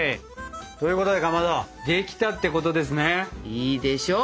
いいでしょう。